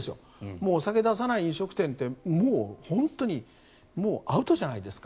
もうお酒を出さない飲食店ってもう本当にアウトじゃないですか。